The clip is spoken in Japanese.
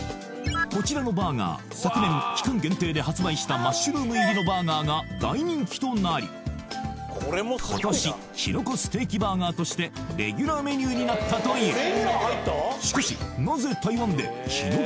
こちらのバーガー昨年期間限定で発売したマッシュルーム入りのバーガーが大人気となり今年キノコステーキバーガーとしてレギュラーメニューになったという